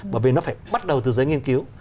bởi vì nó phải bắt đầu từ giới nghiên cứu